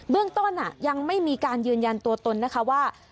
เรื่องต้นยังไม่มีการยืนยันตัวตนนะคะว่า